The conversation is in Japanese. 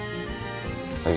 はい。